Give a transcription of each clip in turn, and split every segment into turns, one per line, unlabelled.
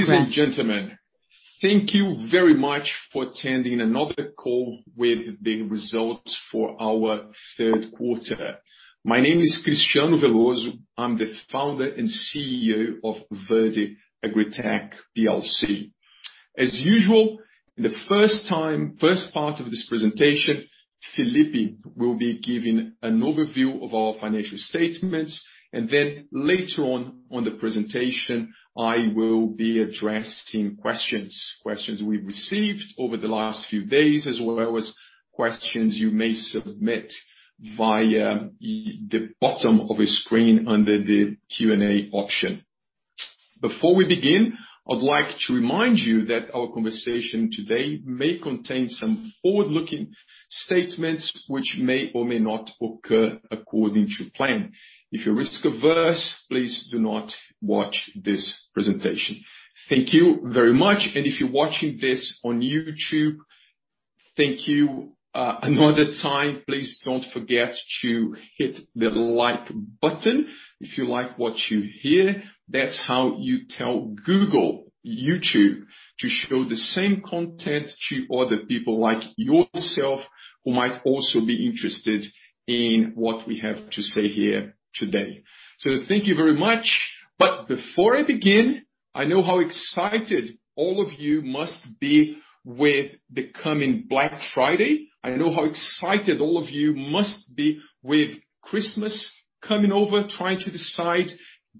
Ladies and gentlemen, thank you very much for attending another call with the results for our Q3. My name is Cristiano Veloso. I'm the founder and CEO of Verde AgriTech Plc. As usual, the first part of this presentation, Felipe will be giving an overview of our financial statements, and then later on the presentation, I will be addressing questions we've received over the last few days, as well as questions you may submit via the bottom of your screen under the Q&A option. Before we begin, I'd like to remind you that our conversation today may contain some forward-looking statements which may or may not occur according to plan. If you're risk-averse, please do not watch this presentation. Thank you very much. If you're watching this on YouTube, thank you another time. Please don't forget to hit the like button if you like what you hear. That's how you tell Google, YouTube, to show the same content to other people like yourself who might also be interested in what we have to say here today. Thank you very much. Before I begin, I know how excited all of you must be with the coming Black Friday. I know how excited all of you must be with Christmas coming over, trying to decide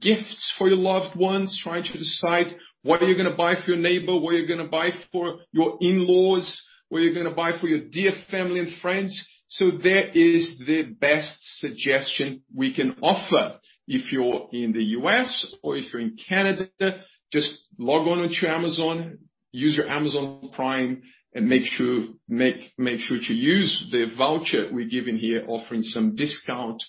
gifts for your loved ones, trying to decide what are you gonna buy for your neighbor, what are you gonna buy for your in-laws, what are you gonna buy for your dear family and friends. There is the best suggestion we can offer. If you're in the U.S. or if you're in Canada, just log on to your Amazon, use your Amazon Prime and make sure to use the voucher we're giving here, offering some discount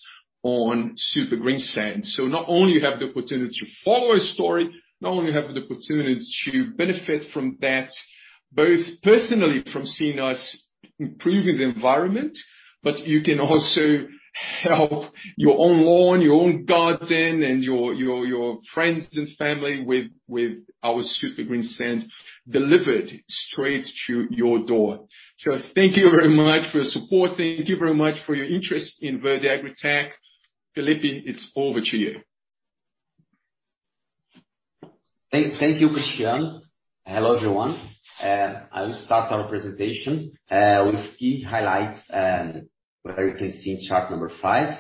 on Super Greensand®. Not only you have the opportunity to follow a story, not only you have the opportunity to benefit from that, both personally from seeing us improving the environment, but you can also help your own lawn, your own garden, and your friends and family with our Super Greensand® delivered straight to your door. Thank you very much for your support. Thank you very much for your interest in Verde AgriTech. Felipe, it's over to you.
Thank you, Cristiano. Hello, everyone. I will start our presentation with key highlights, where you can see chart number five.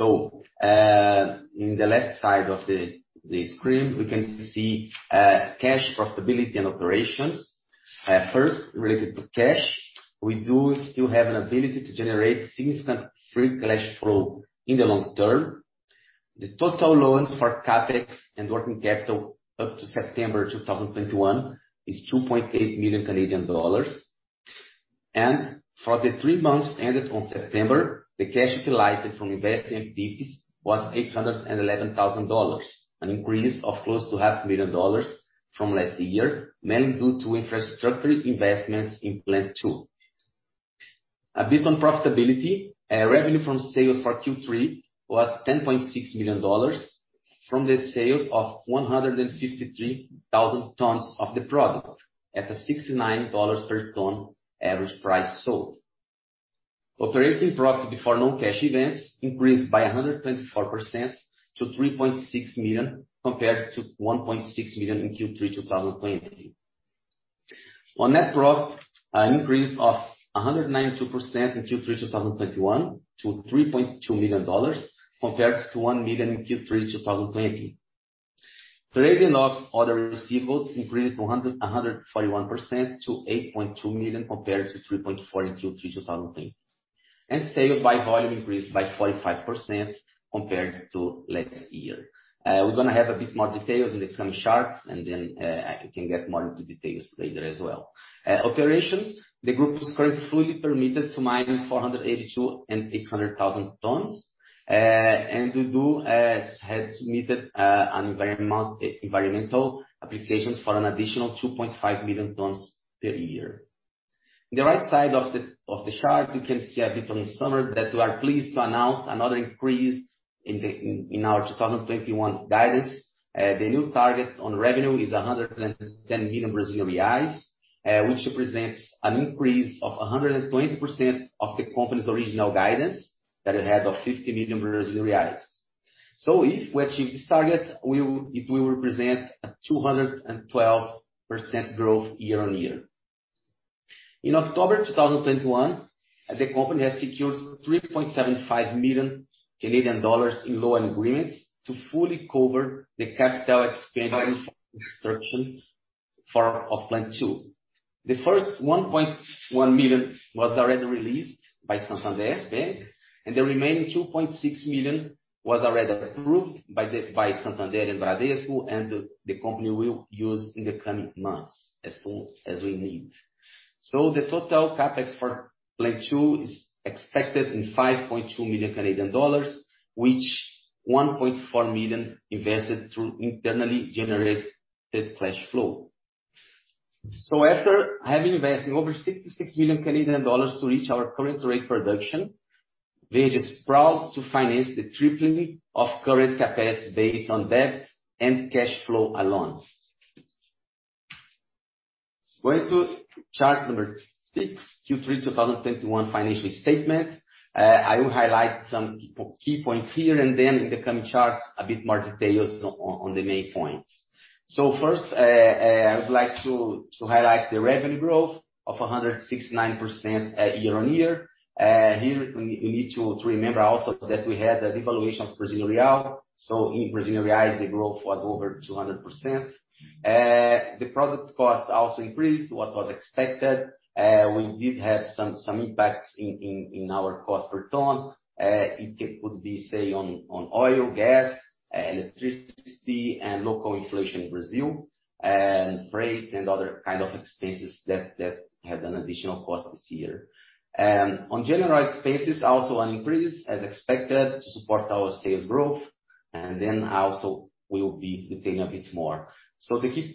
In the left side of the screen, we can see cash profitability and operations. First, related to cash, we do still have an ability to generate significant free cash flow in the long term. The total loans for CapEx and working capital up to September 2021 is 2.8 million Canadian dollars. For the three months ended on September, the cash utilized from investing activities was 811,000 dollars, an increase of close to $0.5 million from last year, mainly due to infrastructure investments in Plant 2. A bit on profitability, revenue from sales for Q3 was $10.6 million, from the sales of 153,000 tons of the product at a $69 per ton average price sold. Operating profit before non-cash events increased by 124% to $3.6 million, compared to $1.6 million in Q3 2020. On net profit, an increase of 192% in Q3 2021 to $3.2 million compared to $1 million in Q3 2020. Trade and other receivables increased 141% to $8.2 million compared to $3.4 million in Q3 2020. Sales by volume increased by 45% compared to last year. We're gonna have a bit more details in the coming charts, and then you can get more into details later as well. Operations, the group is currently fully permitted to mine 482,800 tons. We have submitted environmental applications for an additional 2.5 million tons per year. The right side of the chart, you can see a bit on the summary that we are pleased to announce another increase in our 2021 guidance. The new target on revenue is 110 million Brazilian reais, which represents an increase of 120% of the company's original guidance that we had of 50 million Brazilian reais. If we achieve this target, it will represent a 212% growth year-on-year. In October 2021, the company has secured 3.75 million Canadian dollars in loan agreements to fully cover the CapEx for construction of Plant 2. The first 1.1 million was already released by Santander Bank, and the remaining 2.6 million was already approved by Santander and Bradesco, and the company will use in the coming months as soon as we need. The total CapEx for Plant 2 is expected at 5.2 million Canadian dollars, which 1.4 million invested through internally generated cash flow. After having invested over 66 million Canadian dollars to reach our current rate production, we are just proud to finance the tripling of current capacity based on debt and cash flow alone. Going to chart number six, Q3 2021 financial statements. I will highlight some key points here, and then in the coming charts, a bit more details on the main points. First, I would like to highlight the revenue growth of 169% year-on-year. Here we need to remember also that we had a devaluation of Brazilian real. In Brazilian reals, the growth was over 200%. The product cost also increased as was expected. We did have some impacts in our cost per ton. It could be, say, on oil, gas, electricity and local inflation in Brazil, and freight and other kind of expenses that had an additional cost this year. On general expenses, also an increase as expected to support our sales growth. We will be detailing a bit more.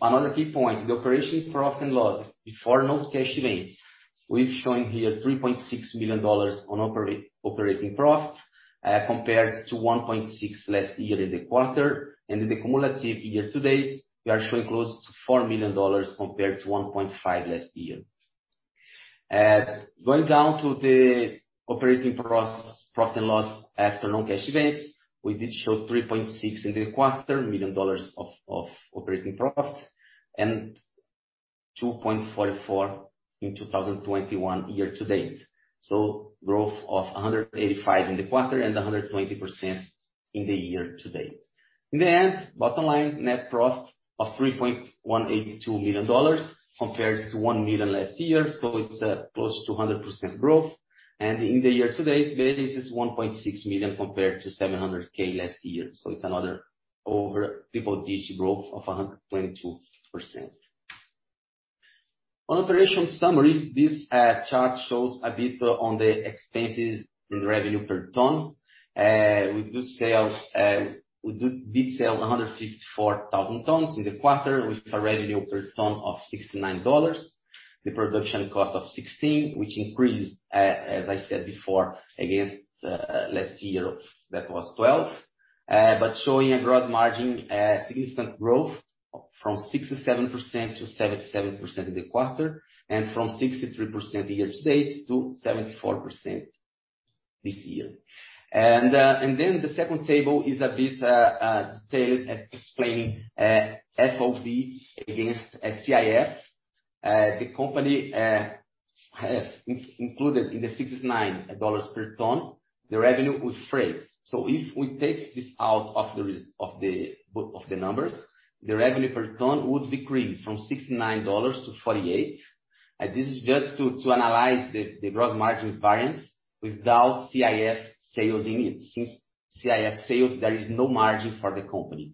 Another key point, the operating profit and loss before non-cash gains, we're showing here $3.6 million of operating profit, compared to $1.6 million last year in the quarter. In the cumulative year to date, we are showing close to $4 million compared to $1.5 million last year. Going down to the operating costs, profit and loss after non-cash events, we did show $3.6 million in the quarter of operating profit and $2.44 million in 2021 year to date. Growth of 185% in the quarter and 120% in the year to date. In the end, bottom line net profit of $3.182 million compares to $1 million last year, so it's close to 100% growth. In the year to date, this is $1.6 million compared to $700K last year. It's another over triple digit growth of 122%. On operations summary, this chart shows a bit on the expenses and revenue per ton. We did sell 154,000 tons in the quarter with a revenue per ton of $69. The production cost of $16, which increased, as I said before, against last year that was $12. But showing a gross margin significant growth from 67% to 77% in the quarter, and from 63% year to date to 74% this year. The second table is a bit detailed at explaining FOB against CIF. The company has included in the $69 per ton the revenue with freight. So if we take this out of the numbers, the revenue per ton would decrease from $69 to $48. This is just to analyze the gross margin variance without CIF sales in it. Since CIF sales, there is no margin for the company.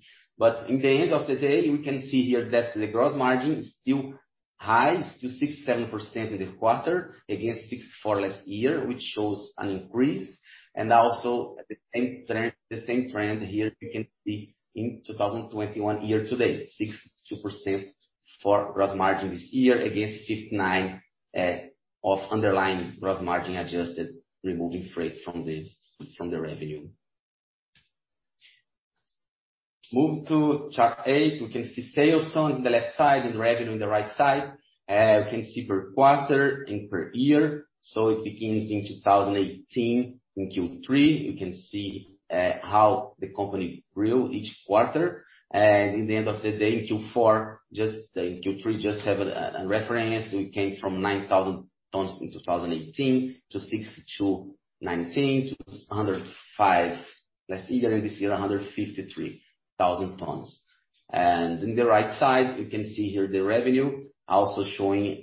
In the end of the day, we can see here that the gross margin is still high to 67% in the quarter against 64 last year, which shows an increase. Also at the same trend here you can see in 2021 year to date, 62% for gross margin this year against 59 of underlying gross margin adjusted, removing freight from the revenue. Move to chart eight. We can see sales ton in the left side and revenue on the right side. You can see per quarter and per year, so it begins in 2018 in Q3. You can see how the company grew each quarter. At the end of the day in Q4, in Q3 have a reference. We came from 9,000 tons in 2018 to 62,000 in 2019, to 105,000 last year, and this year 153,000 tons. In the right side, you can see here the revenue also showing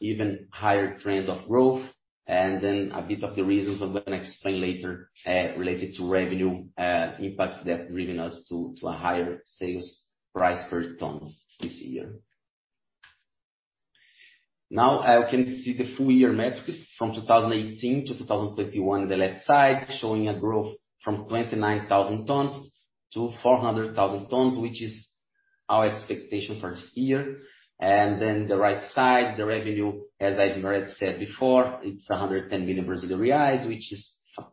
even higher trend of growth. Then a bit of the reasons that I'm gonna explain later related to revenue impacts that driven us to a higher sales price per ton this year. Now, we can see the full year metrics from 2018 to 2021, the left side showing a growth from 29,000 tons to 400,000 tons, which is our expectation for this year. The right side, the revenue, as I've already said before, it's 110 million Brazilian reais, which is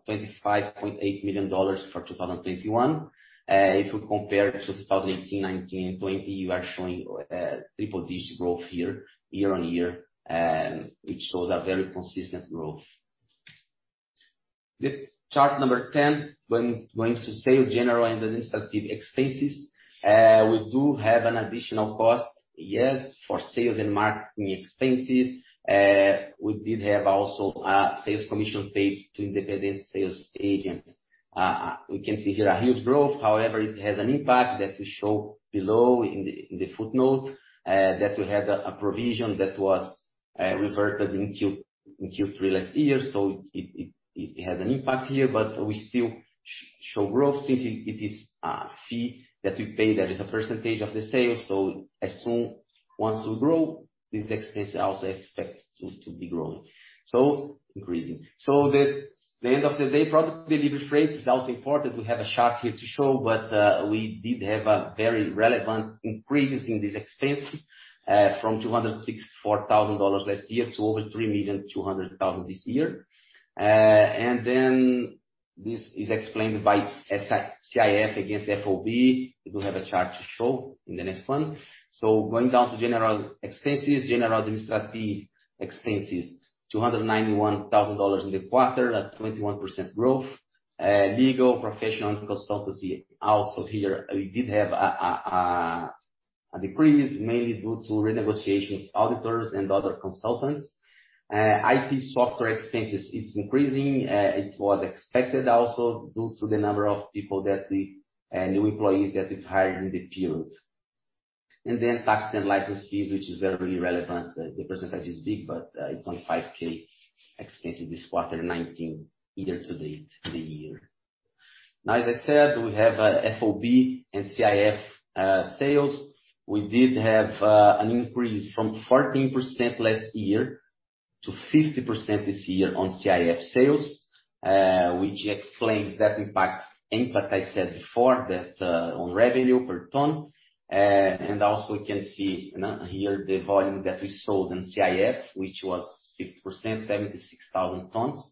$25.8 million for 2021. If you compare to 2018, 2019, and 2020, you are showing triple-digit growth here year-on-year, which shows a very consistent growth. The chart 10, going to sales, general and administrative expenses. We do have an additional cost, yes, for sales and marketing expenses. We did have also sales commission paid to independent sales agents. We can see here a huge growth. However, it has an impact that we show below in the footnote that we had a provision that was reverted in Q3 last year. It has an impact here, but we still show growth since it is a fee that we pay that is a percentage of the sales. Once we grow, this expense also expects to be growing. Increasing. At the end of the day, product delivery freight is also important. We have a chart here to show, but we did have a very relevant increase in this expense from $264,000 last year to over $3.2 million this year. And then this is explained by CIF against FOB. We do have a chart to show in the next one. Going down to general expenses. General administrative expenses, $291,000 in the quarter at 21% growth. Legal, professional, and consultancy. Here we did have a decrease mainly due to renegotiation with auditors and other consultants. IT software expenses, it's increasing. It was expected also due to the number of new employees that we've hired in the period. Tax and license fees, which is very relevant. The percentage is big, but it's only 5,000 expense this quarter, 19,000 year to date to the year. Now as I said, we have FOB and CIF sales. We did have an increase from 14% last year to 50% this year on CIF sales, which explains that impact input I said before that on revenue per ton. Also we can see now here the volume that we sold in CIF, which was 50%, 76,000 tons.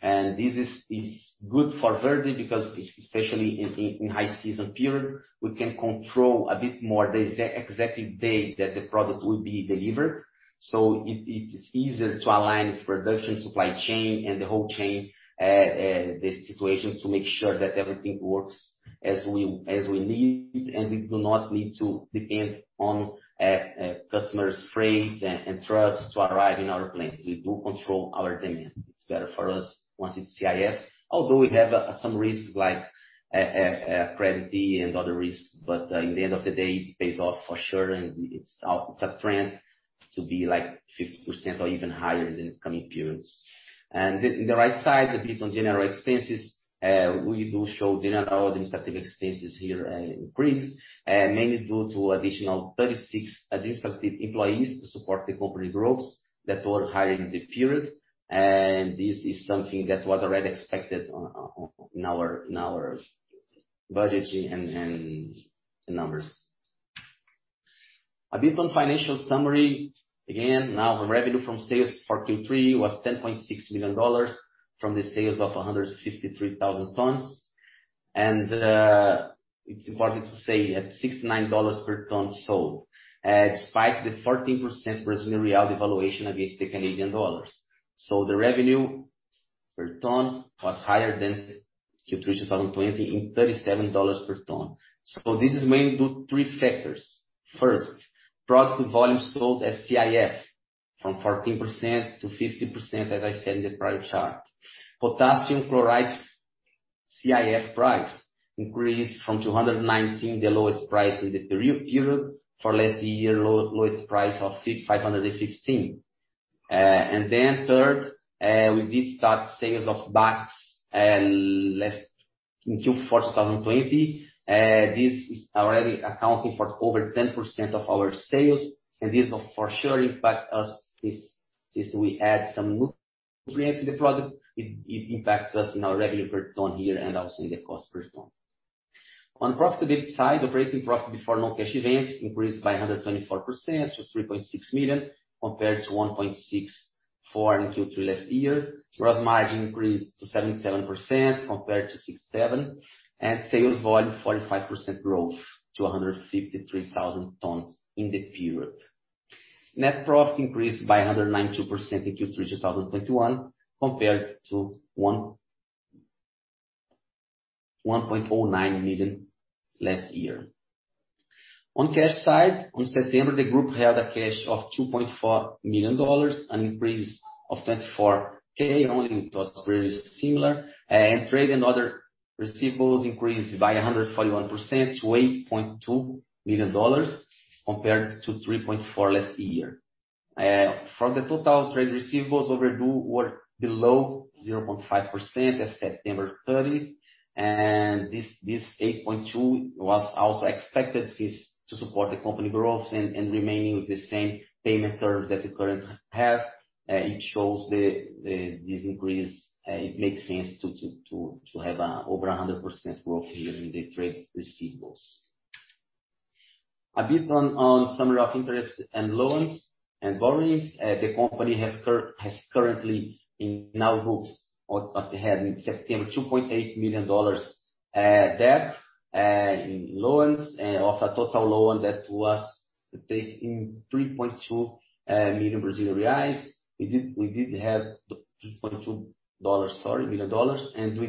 This is good for Verde because especially in high season period, we can control a bit more the exact day that the product will be delivered. It is easier to align with production supply chain and the whole chain, the situation to make sure that everything works as we need, and we do not need to depend on customers freight and trucks to arrive in our plant. We do control our demand. It's better for us once it's CIF, although we have some risks like credit fee and other risks, but in the end of the day, it pays off for sure, and it's a trend to be like 50% or even higher in the coming periods. The right side, a bit on general expenses, we do show general administrative expenses here, increase mainly due to additional 36 administrative employees to support the company growth that were hired in the period. This is something that was already expected in our budgeting and the numbers. A bit on financial summary. Again, now the revenue from sales for Q3 was $10.6 million from the sales of 153,000 tons. It's important to say at $69 per ton sold, despite the 14% Brazilian real devaluation against the US dollar. The revenue per ton was higher than Q3 2020 in $37 per ton. This is mainly due three factors. First, product volume sold as CIF from 14% to 50%, as I said in the prior chart. Potassium chloride CIF price increased from 219, the lowest price in the period for last year, lowest price of 515. Third, we did start sales of bags last in Q4 2020. This is already accounting for over 10% of our sales, and this will for sure impact us since we add some new premium to the product, it impacts us in our revenue per ton here and also in the cost per ton. On profitability side, operating profit before non-cash events increased by 124% to 3.6 million, compared to 1.64 million in Q3 last year. Gross margin increased to 77% compared to 67%, and sales volume 45% growth to 153,000 tons in the period. Net profit increased by 192% in Q3 2021 compared to $1.09 million last year. On the cash side, as of September, the group held cash of $2.4 million, an increase of $24,000 only. It was very similar. Trade and other receivables increased by 141% to $8.2 million compared to $3.4 million last year. From the total trade receivables, overdue were below 0.5% as of September 30th and this $8.2 was also expected to support the company growth and remaining with the same payment terms that the customers have. It shows this increase. It makes sense to have over 100% growth here in the trade receivables. A bit on summary of interest and loans and borrowings. The company has currently on its books, or they have in September $2.8 million debt in loans of a total loan that was taken in 3.2 million Brazilian reais. We did have the $3.2, sorry, million dollars. We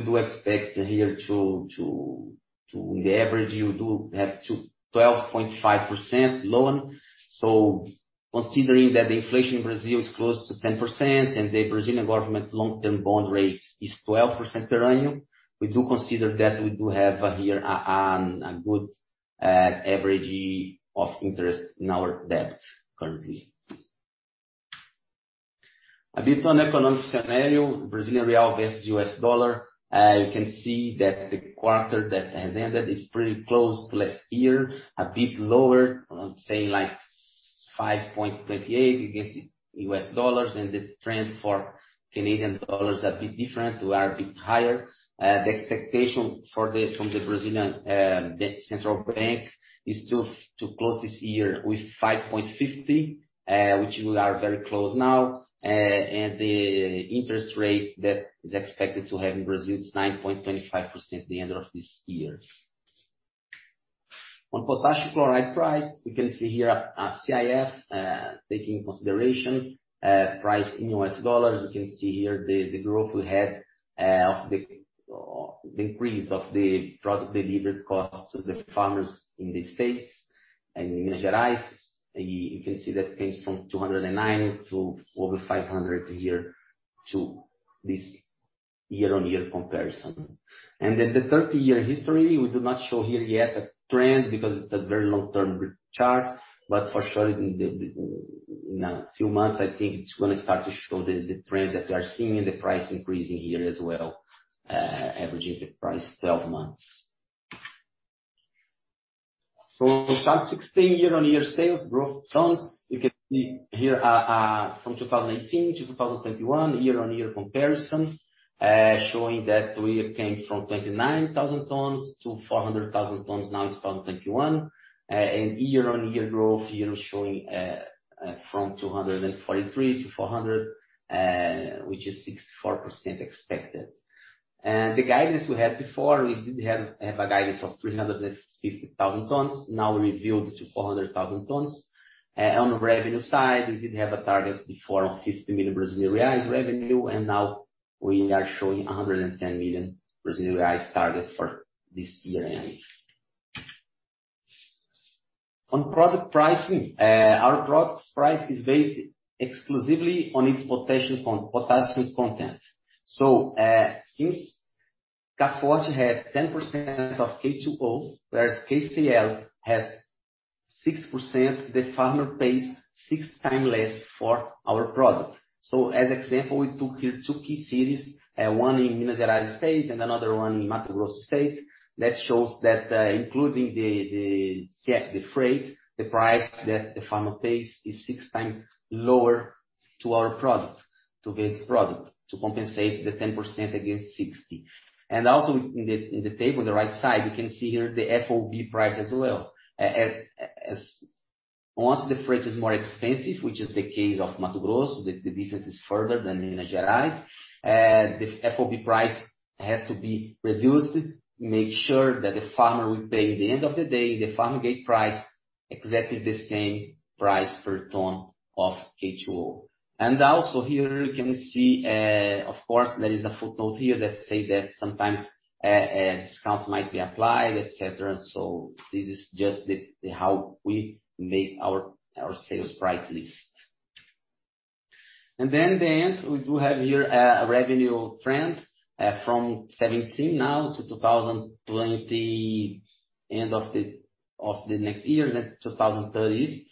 do expect here to in the average you do have 21.25% loan. Considering that the inflation in Brazil is close to 10% and the Brazilian government long-term bond rate is 12% per annum, we do consider that we do have here a good average of interest in our debt currently. A bit on economic scenario, Brazilian real versus U.S. dollar, you can see that the quarter that has ended is pretty close to last year, a bit lower, I'm saying like 5.28 against U.S. dollars. The trend for Canadian dollars a bit different, we are a bit higher. The expectation from the Brazilian Central Bank is to close this year with 5.50, which we are very close now. The interest rate that is expected to have in Brazil is 9.25% at the end of this year. On potassium chloride price, you can see here CIF taking consideration price in US dollars. You can see that changed from $209 to over $500 year to this year-on-year comparison. The 30-year history, we do not show here yet a trend because it's a very long-term chart, but for sure in a few months, I think it's gonna start to show the trend that we are seeing in the price increasing here as well, averaging the price 12 months. 16% year-over-year sales growth in tons, you can see here, from 2018 to 2021 year-over-year comparison, showing that we came from 29,000 tons to 400,000 tons now in 2021. Year-over-year growth here showing from 243 to 400, which is 64% expected. The guidance we had before, we did have a guidance of 350,000 tons. Now we revised to 400,000 tons. On the revenue side, we did have a target before of 50 million Brazilian reais revenue, and now we are showing 110 million Brazilian reais target for this year ending. On product pricing, our product price is based exclusively on its potassium content. Since K Forte® has 10% of K2O, whereas KCl has 60%, the farmer pays 6x less for our product. As example, we took here two key cities, one in Minas Gerais state and another one in Mato Grosso state. That shows that, including the freight, the price that the farmer pays is 6x lower to our product, towards product, to compensate the 10% against 60. And also in the table on the right side, you can see here the FOB price as well. Once the freight is more expensive, which is the case of Mato Grosso, the distance is further than Minas Gerais, the FOB price has to be reduced to make sure that the farmer will pay. At the end of the day, the farmer get price exactly the same price per ton of K2O. Also here you can see, of course, there is a footnote here that say that sometimes discounts might be applied, et cetera. This is just how we make our sales price list. Then at the end, we do have here a revenue trend from 2017 now to 2020 end of the next year, to 2030s.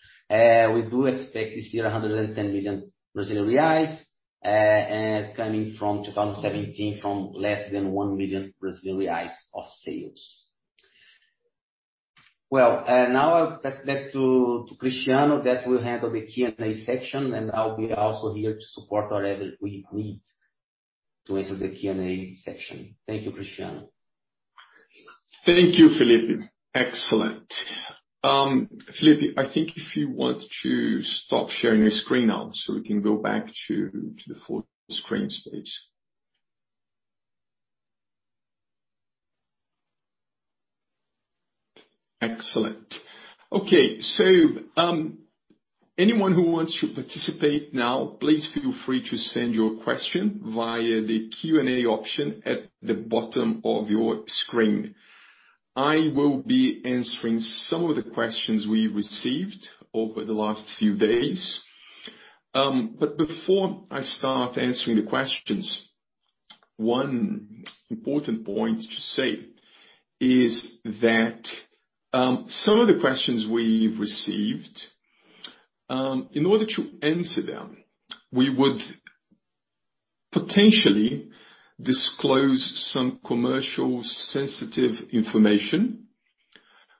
We do expect this year 110 million Brazilian reais coming from 2017 from less than 1 million Brazilian reais of sales. Well, now I'll pass it back to Cristiano that will handle the Q&A section, and I'll be also here to support whatever we need to answer the Q&A section. Thank you, Cristiano.
Thank you, Felipe. Excellent. Felipe, I think if you want to stop sharing your screen now, so we can go back to the full screen space. Excellent. Okay. Anyone who wants to participate now, please feel free to send your question via the Q&A option at the bottom of your screen. I will be answering some of the questions we received over the last few days. Before I start answering the questions, one important point to say is that some of the questions we've received, in order to answer them, we would potentially disclose some commercially sensitive information,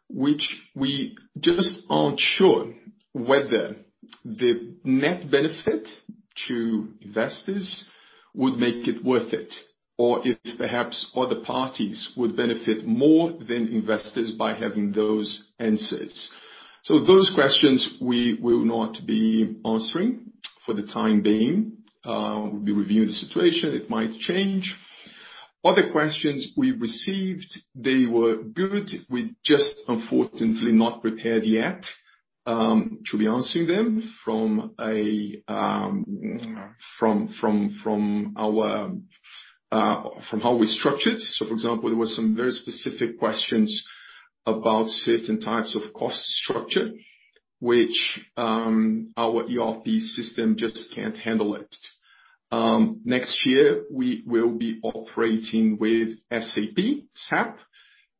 which we just aren't sure whether the net benefit to investors would make it worth it, or if perhaps other parties would benefit more than investors by having those answers. Those questions we will not be answering for the time being. We'll be reviewing the situation. It might change. Other questions we received, they were good. We're just unfortunately not prepared yet to be answering them from how we structured. For example, there was some very specific questions about certain types of cost structure which our ERP system just can't handle it. Next year we will be operating with SAP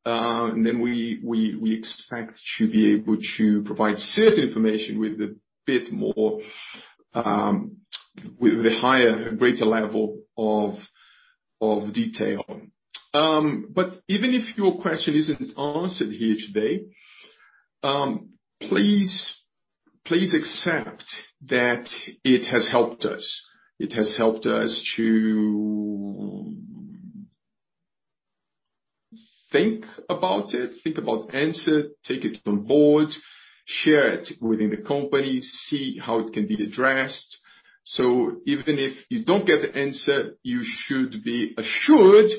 and then we expect to be able to provide certain information with a bit more, with a higher and greater level of detail. Even if your question isn't answered here today, please accept that it has helped us. It has helped us to think about it, think about the answer, take it on board, share it within the company, see how it can be addressed. Even if you don't get the answer, you should be assured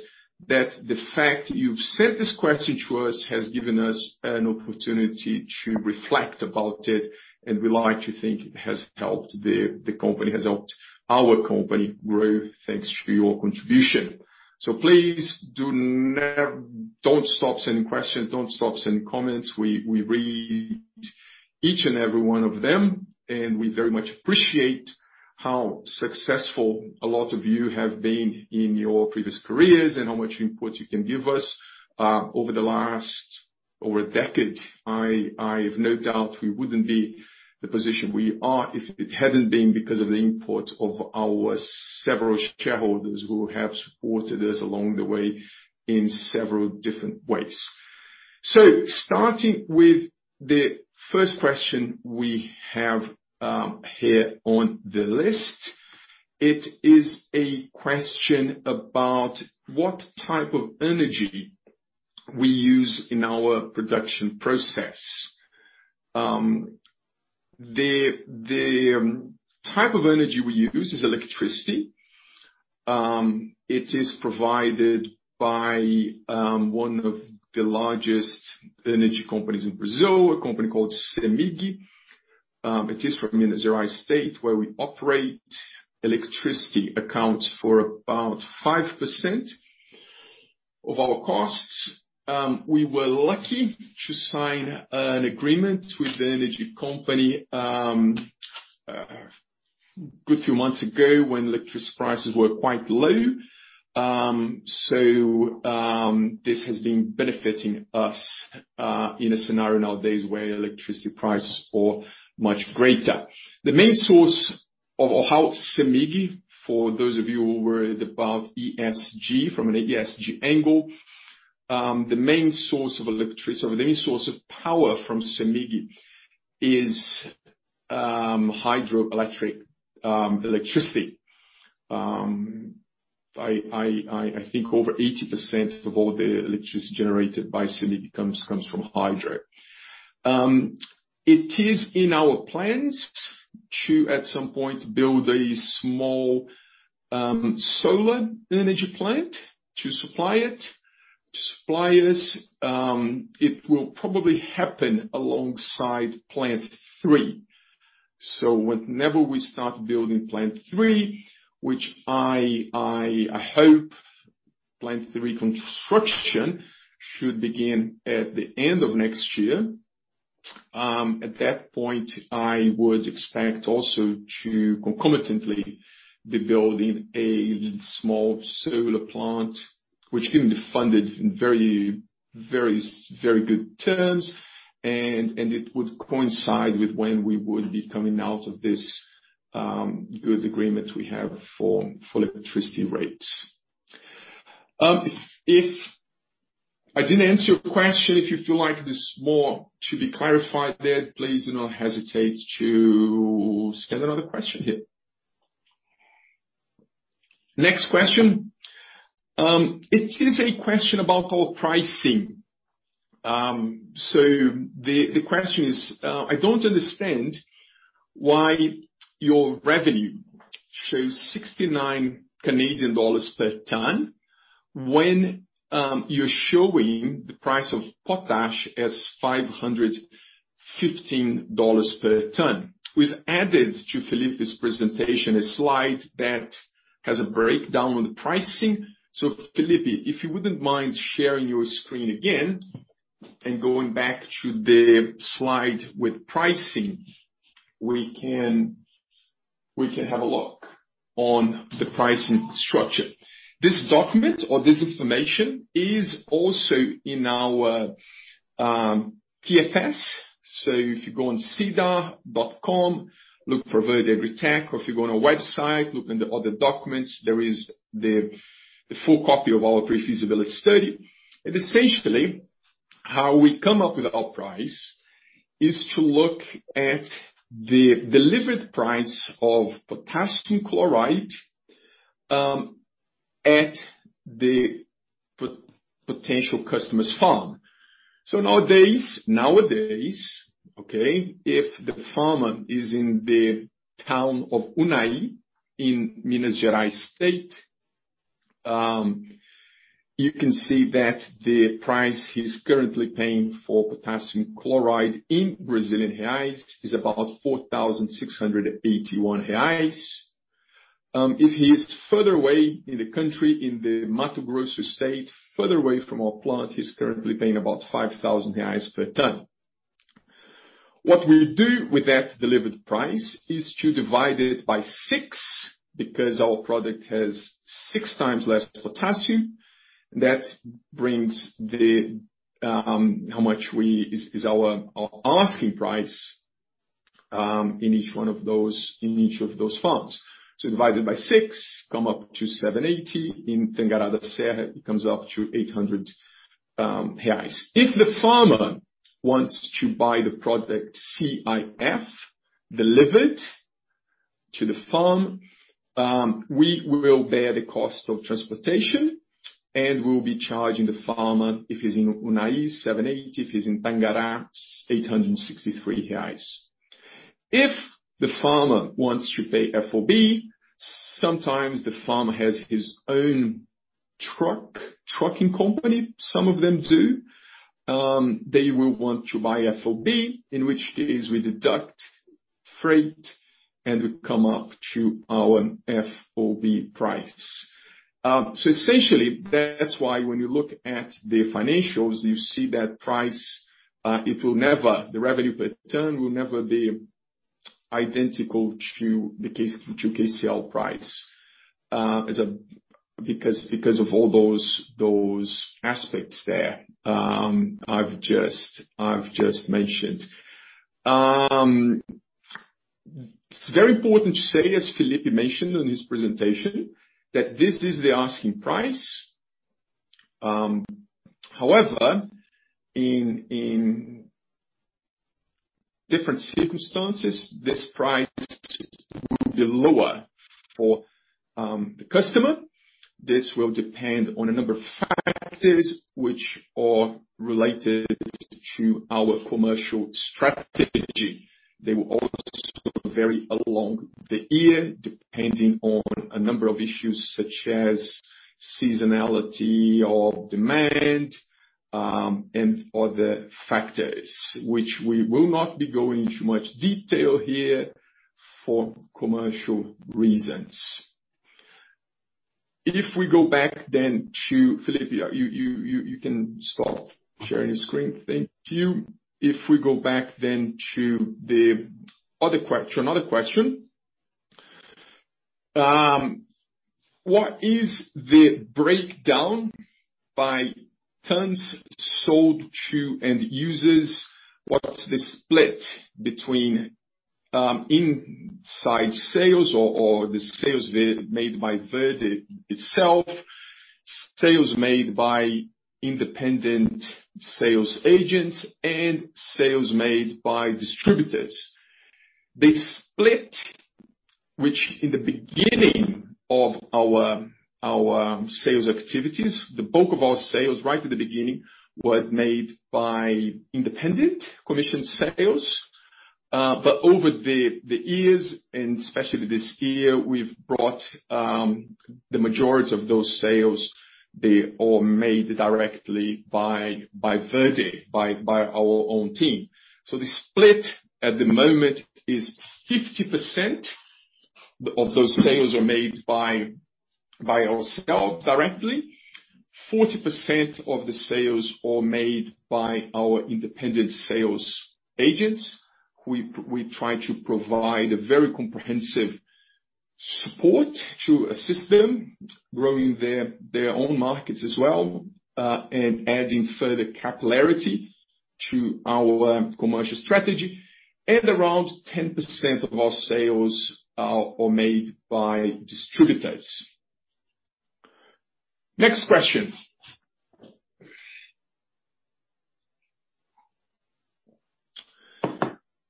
that the fact you've sent this question to us has given us an opportunity to reflect about it, and we like to think it has helped the company has helped our company grow, thanks to your contribution. Please don't stop sending questions, don't stop sending comments. We read each and every one of them, and we very much appreciate how successful a lot of you have been in your previous careers and how much input you can give us. Over a decade, I have no doubt we wouldn't be in the position we are if it hadn't been because of the input of our several shareholders who have supported us along the way in several different ways. Starting with the first question we have, here on the list, it is a question about what type of energy we use in our production process. The type of energy we use is electricity. It is provided by one of the largest energy companies in Brazil, a company called Cemig. It is from Minas Gerais state where we operate. Electricity accounts for about 5% of our costs. We were lucky to sign an agreement with the energy company, a good few months ago when electricity prices were quite low. This has been benefiting us in a scenario nowadays where electricity prices are much greater. The main source of how Cemig, for those of you who worried about ESG, from an ESG angle, the main source of electricity or the main source of power from Cemig is hydroelectric electricity. I think over 80% of all the electricity generated by Cemig comes from hydro. It is in our plans to, at some point, build a small solar energy plant to supply it, to supply us. It will probably happen alongside Plant 3. Whenever we start building Plant 3, which I hope Plant 3 construction should begin at the end of next year. At that point, I would expect also to concomitantly be building a small solar plant, which can be funded in very good terms, and it would coincide with when we would be coming out of this good agreement we have for electricity rates. If I didn't answer your question, if you feel like there's more to be clarified there, please do not hesitate to send another question here. Next question, it is a question about our pricing. The question is, I don't understand why your revenue shows 69 Canadian dollars per ton when you're showing the price of potash as 515 dollars per ton. We've added to Felipe's presentation a slide that has a breakdown on the pricing. Felipe, if you wouldn't mind sharing your screen again and going back to the slide with pricing, we can have a look on the pricing structure. This document or this information is also in our PFS. If you go on sedar.com, look for Verde AgriTech, or if you go on our website, look in the other documents, there is the full copy of our pre-feasibility study. Essentially, how we come up with our price is to look at the delivered price of potassium chloride at the potential customer's farm. Nowadays, okay, if the farmer is in the town of Unaí in Minas Gerais state, you can see that the price he's currently paying for potassium chloride in Brazilian reais is about 4,681 reais. If he is further away in the country, in the Mato Grosso state, further away from our plant, he's currently paying about 5,000 reais per ton. What we do with that delivered price is to divide it by six, because our product has 6X less potassium. That brings the how much is our asking price in each of those farms. Divided by six, come up to 780 BRL. In Tangará da Serra, it comes up to 800 reais. If the farmer wants to buy the product CIF delivered to the farm, we will bear the cost of transportation, and we'll be charging the farmer, if he's in Unaí, 780 BRL, if he's in Tangará, 863 reais. If the farmer wants to pay FOB, sometimes the farmer has his own truck, trucking company. Some of them do. They will want to buy FOB, in which case we deduct freight, and we come up to our FOB price. Essentially that's why when you look at the financials, you see that price, the revenue per ton will never be identical to the KCl price because of all those aspects there I've just mentioned. It's very important to say, as Felipe mentioned in his presentation, that this is the asking price. However, in different circumstances, this price will be lower for the customer. This will depend on a number of factors which are related to our commercial strategy. They will also vary along the year, depending on a number of issues such as seasonality of demand, and other factors, which we will not be going into much detail here for commercial reasons. If we go back to Felipe, you can stop sharing the screen. Thank you. If we go back to another question. What is the breakdown by tons sold to end users? What's the split between, inside sales or the sales made by Verde itself, sales made by independent sales agents, and sales made by distributors? The split which in the beginning of our sales activities, the bulk of our sales right at the beginning was made by independent commission sales. Over the years and especially this year, we've brought the majority of those sales, they all made directly by Verde, by our own team. The split at the moment is 50% of those sales are made by ourself directly. 40% of the sales are made by our independent sales agents, who we try to provide a very comprehensive support to assist them growing their own markets as well, and adding further capillarity to our commercial strategy. Around 10% of our sales are made by distributors. Next question.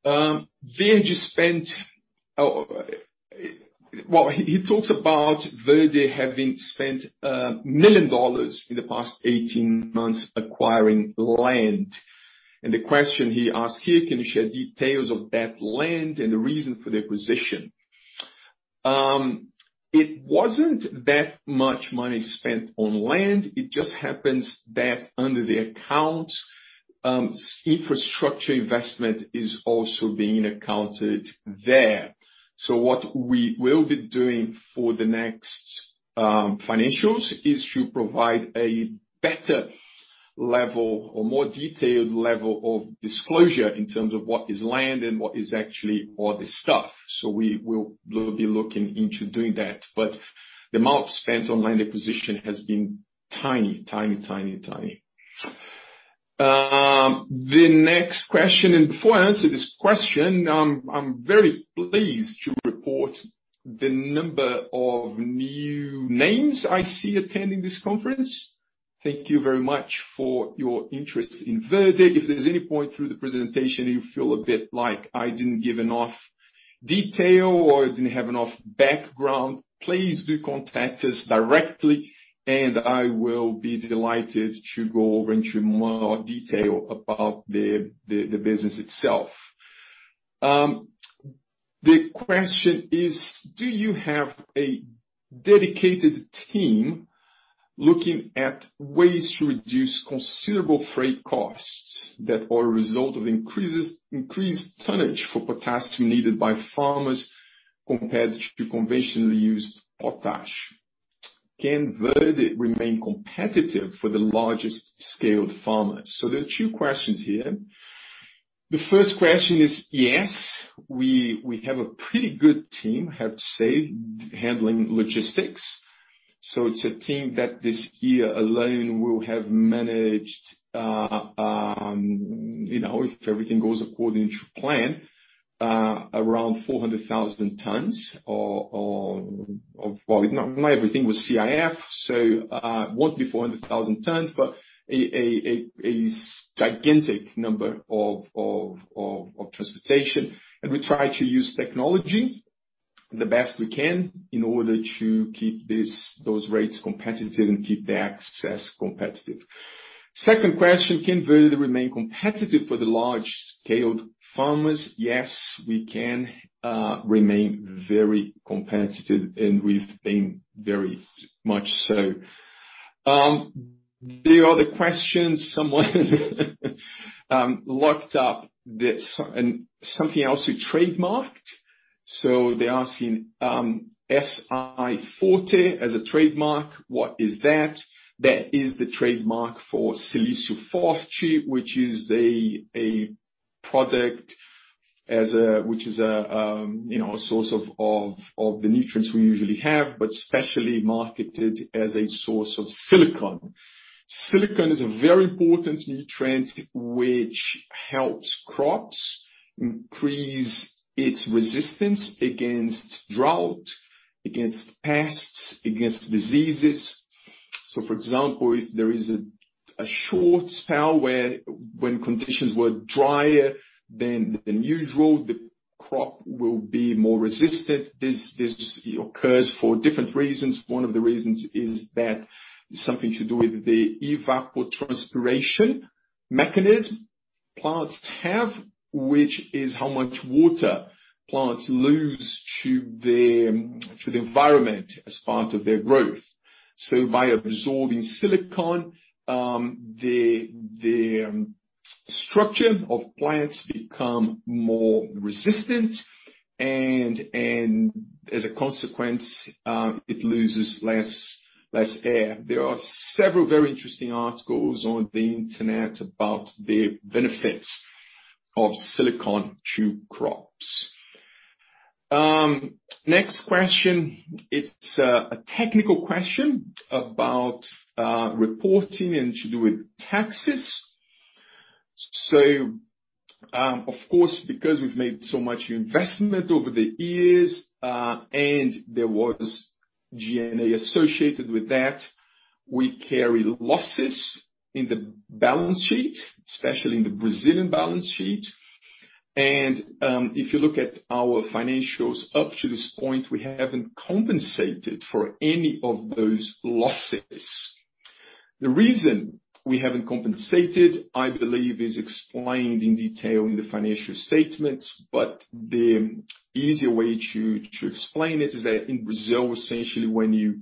erde spent. Well, he talks about Verde having spent a million in the past 18 months acquiring land. The question he asked here, can you share details of that land and the reason for the acquisition? It wasn't that much money spent on land. It just happens that under the accounts, infrastructure investment is also being accounted there. What we will be doing for the next financials is to provide a better level or more detailed level of disclosure in terms of what is land and what is actually all the stuff. We will be looking into doing that but the amount spent on land acquisition has been tiny. The next question, and before I answer this question, I'm very pleased to report the number of new names I see attending this conference. Thank you very much for your interest in Verde. If there's any point through the presentation you feel a bit like I didn't give enough detail or I didn't have enough background, please do contact us directly, and I will be delighted to go over into more detail about the business itself. The question is: Do you have a dedicated team looking at ways to reduce considerable freight costs that are a result of increased tonnage for potassium needed by farmers compared to conventionally used potash? Can Verde remain competitive for the largest scaled farmers? There are two questions here. The first question is yes, we have a pretty good team, I have to say, handling logistics. It's a team that this year alone will have managed, you know, if everything goes according to plan, around 400,000 tons or, well, not everything was CIF, so it won't be 400,000 tons, but a gigantic number of transportation. We try to use technology the best we can in order to keep those rates competitive and keep the access competitive. Second question, can Verde remain competitive for the large-scaled farmers? Yes, we can remain very competitive, and we've been very much so. The other question, someone looked up this and something else we trademarked. They're asking, Silicio Forte as a trademark, what is that? That is the trademark for Silicio Forte, which is a product which is a source of the nutrients we usually have, but specially marketed as a source of silicon. Silicon is a very important nutrient which helps crops increase its resistance against drought, against pests, against diseases. For example, if there is a short spell when conditions were drier than usual, the crop will be more resistant. This occurs for different reasons. One of the reasons is that something to do with the evapotranspiration mechanism plants have, which is how much water plants lose to the environment as part of their growth. By absorbing silicon, the structure of plants become more resistant and as a consequence, it loses less air. There are several very interesting articles on the internet about the benefits of silicon to crops. Next question, it's a technical question about reporting and to do with taxes. Of course, because we've made so much investment over the years, and there was G&A associated with that, we carry losses in the balance sheet, especially in the Brazilian balance sheet. If you look at our financials up to this point, we haven't compensated for any of those losses. The reason we haven't compensated, I believe, is explained in detail in the financial statements, but the easier way to explain it is that in Brazil, essentially, when you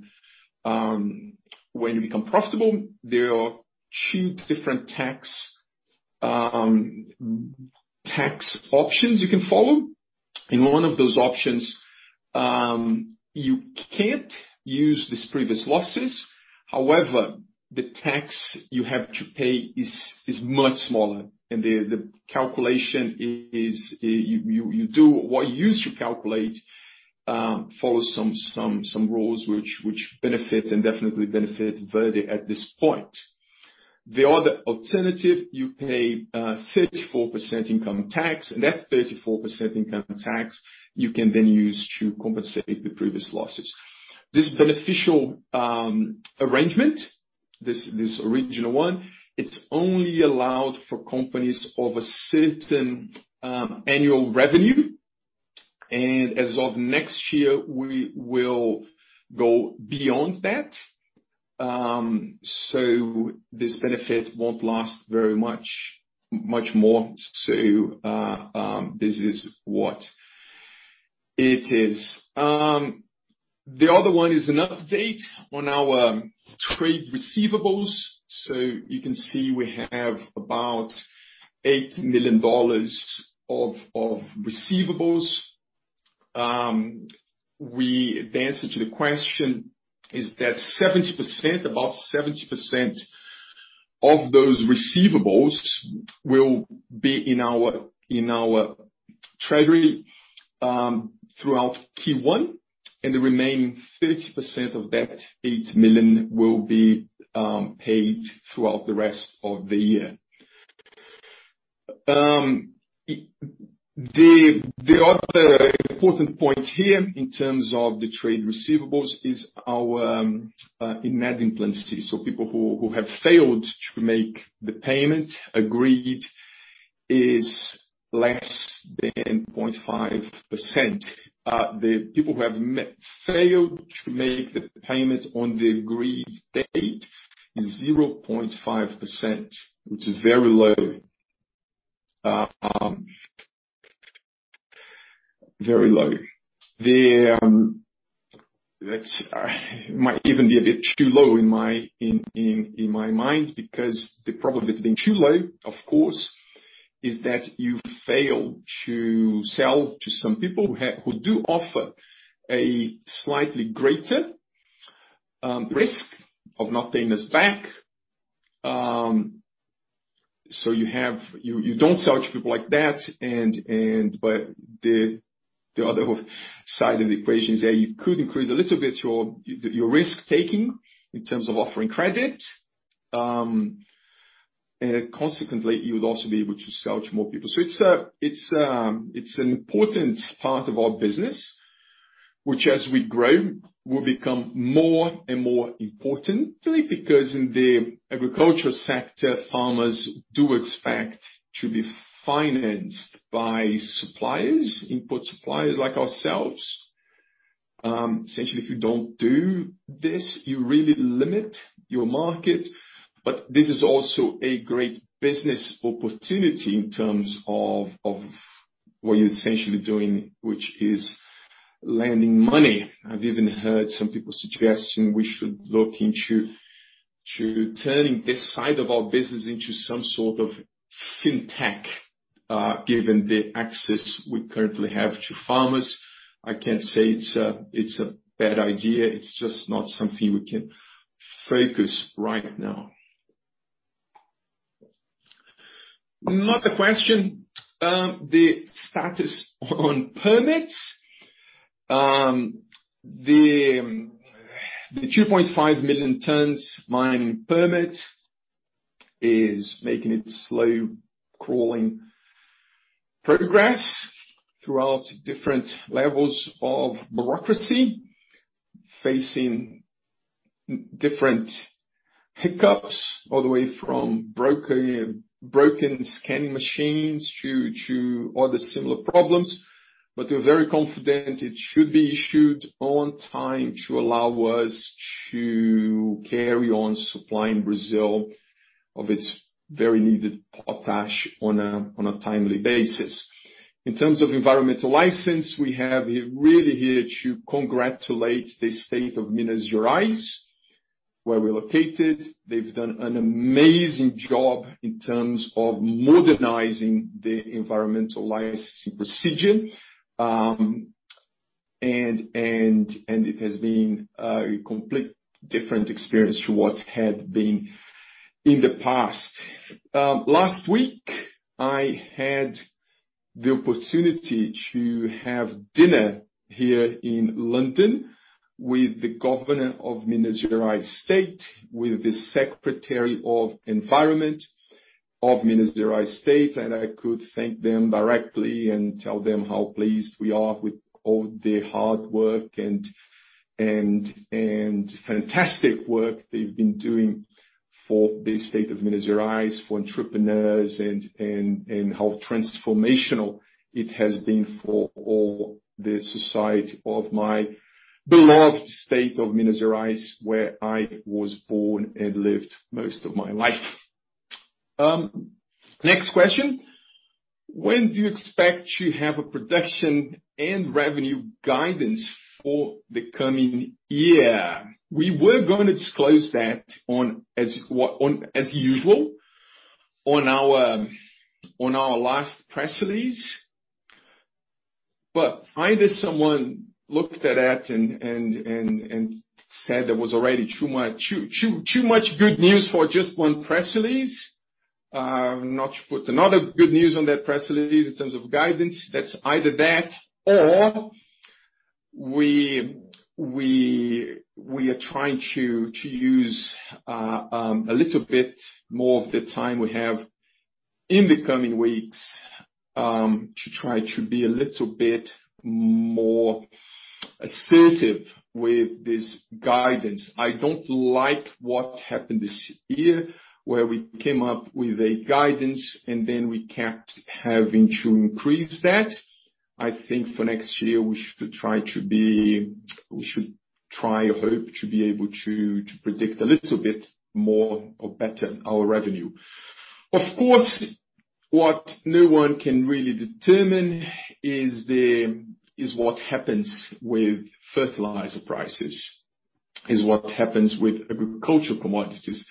become profitable, there are two different tax options you can follow. In one of those options, you can't use these previous losses. However, the tax you have to pay is much smaller. The calculation is you do what you use to calculate, follow some rules which benefit and definitely benefit Verde at this point. The other alternative, you pay 34% income tax, and that 34% income tax you can then use to compensate the previous losses. This beneficial arrangement, this original one, it's only allowed for companies of a certain annual revenue. As of next year, we will go beyond that, so this benefit won't last very much more. This is what it is. The other one is an update on our trade receivables. You can see we have about $8 million of receivables. The answer to the question is that about 70% of those receivables will be in our treasury throughout Q1, and the remaining 30% of that 8 million will be paid throughout the rest of the year. The other important point here in terms of the trade receivables is our inadimplência. People who have failed to make the payment agreed is less than 0.5%. The people who have failed to make the payments on the agreed date is 0.5%, which is very low. Very low. That might even be a bit too low in my mind because the problem with being too low, of course, is that you fail to sell to some people who do offer a slightly greater risk of not paying us back. You don't sell to people like that, but the other side of the equation is that you could increase a little bit your risk taking in terms of offering credit. Consequently, you would also be able to sell to more people. It's an important part of our business, which as we grow, will become more and more important to me because in the agricultural sector, farmers do expect to be financed by suppliers, input suppliers like ourselves. Essentially, if you don't do this, you really limit your market. This is also a great business opportunity in terms of what you're essentially doing, which is lending money. I've even heard some people suggesting we should look into turning this side of our business into some sort of fintech, given the access we currently have to farmers. I can't say it's a bad idea. It's just not something we can focus right now. Another question, the status on permits. The 2.5 million tons mining permit is making slow, crawling progress throughout different levels of bureaucracy, facing and different hiccups all the way from broken scanning machines to other similar problems. We're very confident it should be issued on time to allow us to carry on supplying Brazil of its very needed potash on a timely basis. In terms of environmental license, we have really here to congratulate the State of Minas Gerais, where we're located. They've done an amazing job in terms of modernizing the environmental licensing procedure and it has been a complete different experience to what had been in the past. Last week, I had the opportunity to have dinner here in London with the governor of Minas Gerais state, with the secretary of environment of Minas Gerais state, and I could thank them directly and tell them how pleased we are with all the hard work and fantastic work they've been doing for the state of Minas Gerais, for entrepreneurs and how transformational it has been for all the society of my beloved state of Minas Gerais, where I was born and lived most of my life. Next question. When do you expect to have a production and revenue guidance for the coming year? We were going to disclose that on, as usual, on our last press release. Either someone looked at that and said that was already too much good news for just one press release, not to put another good news on that press release in terms of guidance. That's either that or we are trying to use a little bit more of the time we have in the coming weeks to try to be a little bit more assertive with this guidance. I don't like what happened this year where we came up with a guidance and then we kept having to increase that. I think for next year we should try, I hope, to be able to predict a little bit more or better our revenue. Of course, what no one can really determine is what happens with fertilizer prices, what happens with agricultural commodities,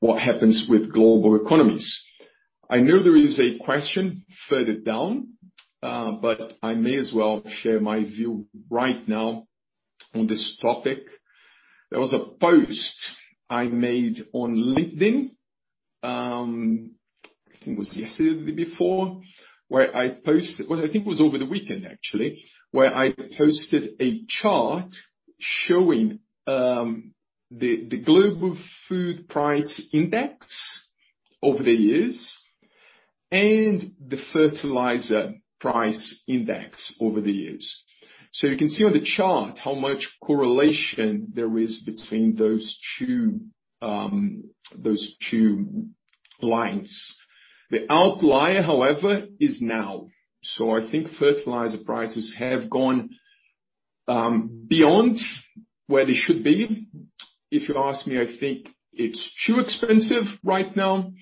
what happens with global economies. I know there is a question further down, but I may as well share my view right now on this topic. There was a post I made on LinkedIn. I think it was yesterday or the before. It was, I think it was over the weekend actually, where I posted a chart showing the global food price index over the years and the fertilizer price index over the years. You can see on the chart how much correlation there is between those two, those two lines. The outlier, however, is now. I think fertilizer prices have gone beyond where they should be. If you ask me, I think it's too expensive right now.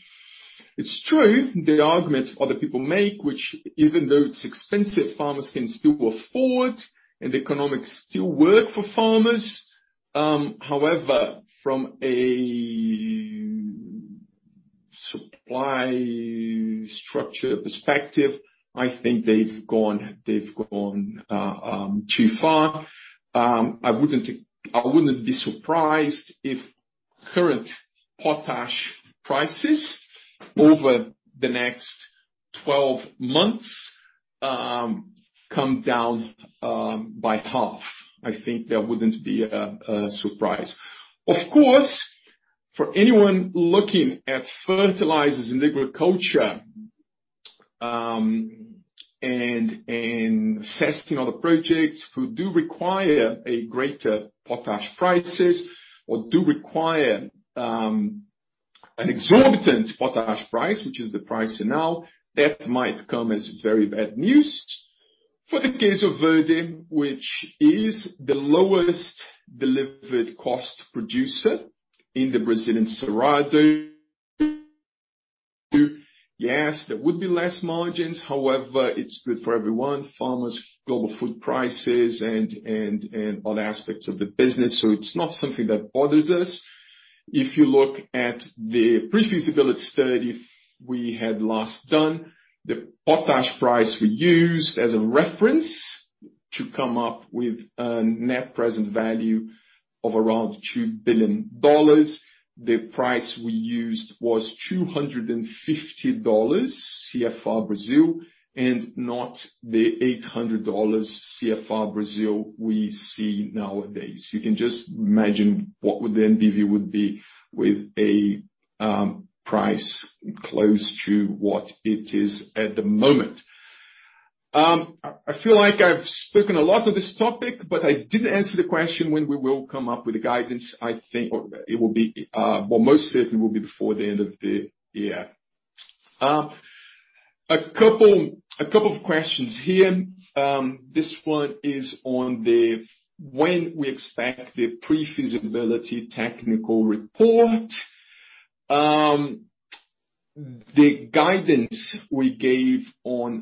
It's true, the argument other people make, which even though it's expensive, farmers can still afford, and the economics still work for farmers. However, from a supply structure perspective, I think they've gone too far. I wouldn't be surprised if current potash prices over the next 12 months come down by half. I think that wouldn't be a surprise. Of course, for anyone looking at fertilizers in agriculture and assessing other projects who do require greater potash prices or do require an exorbitant potash price, which is the price for now, that might come as very bad news. For the case of Verde, which is the lowest delivered cost producer in the Brazilian Cerrado, yes, there would be less margins however, it's good for everyone, farmers, global food prices and other aspects of the business, so it's not something that bothers us. If you look at the pre-feasibility study we had last done, the potash price we used as a reference to come up with a net present value of around $2 billion. The price we used was $250 CFR Brazil, and not the $800 CFR Brazil we see nowadays. You can just imagine what the NPV would be with a price close to what it is at the moment. I feel like I've spoken a lot on this topic, but I didn't answer the question when we will come up with a guidance. I think it will be, well, most certainly will be before the end of the year. A couple of questions here. This one is on when we expect the pre-feasibility technical report. The guidance we gave was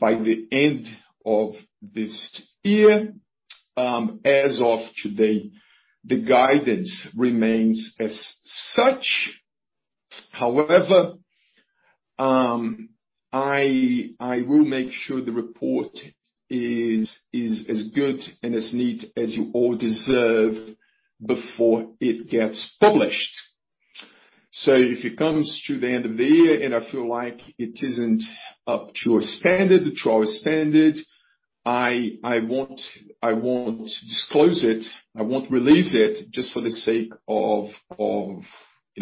by the end of this year. As of today, the guidance remains as such. However, I will make sure the report is as good and as neat as you all deserve before it gets published. If it comes to the end of the year and I feel like it isn't up to your standard, to our standard, I won't disclose it. I won't release it just for the sake of, you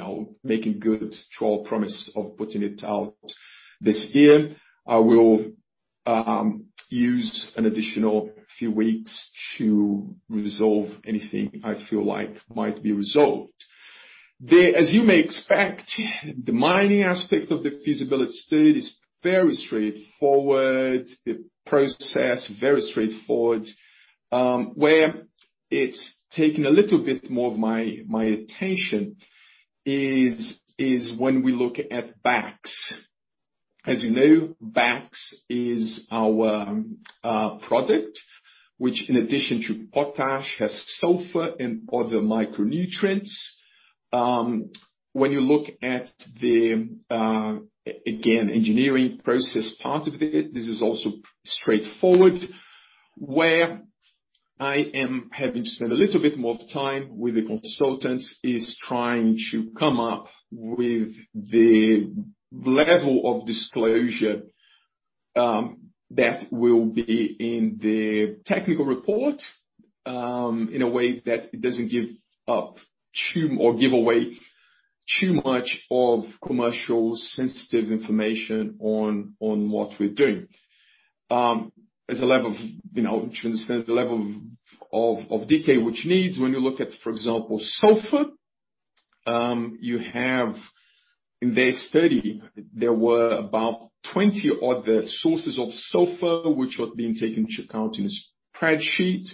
know, making good on our promise of putting it out this year. I will use an additional few weeks to resolve anything I feel like might be resolved. As you may expvect, the mining aspect of the feasibility study is very straightforward. The process, very straightforward. Where it's taken a little bit more of my attention is when we look at BAKS. As you know, BAKS is our product, which in addition to potash, has sulfur and other micronutrients. When you look at the engineering process part of it, again, this is also straightforward, where I am having to spend a little bit more time with the consultants is trying to come up with the level of disclosure that will be in the technical report, in a way that it doesn't give away too much of commercially sensitive information on what we're doing. In their study, there were about 20 other sources of sulfur which were being taken into account in a spreadsheet.